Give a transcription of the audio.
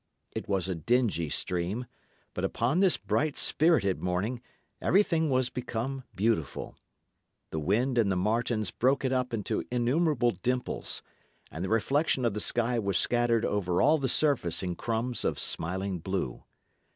It was a dingy stream; but upon this bright, spirited morning everything was become beautiful. The wind and the martens broke it up into innumerable dimples; and the reflection of the sky was scattered over all the surface in crumbs of smiling blue.